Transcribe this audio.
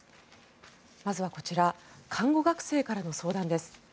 まずはこちら看護学生からの相談です。